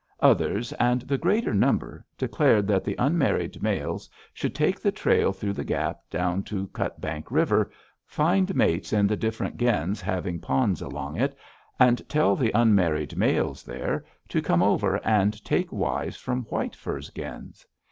Others, and the greater number, declared that the unmarried males should take the trail through the gap down to Cutbank River, find mates in the different gens having ponds along it, and tell the unmarried males there to come over and take wives from White Fur's gens.